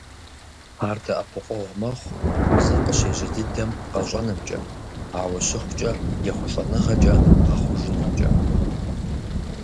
Ар дэӀэпыкъуэгъу мэхъу узыр къыщежьэ дыдэм къэщӀэнымкӀэ, ауэ щыхъукӀэ, ехъулӀэныгъэкӀэ гъэхъужынымкӀэ.